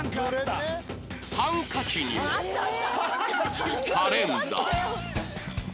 ハンカチにもカレンダー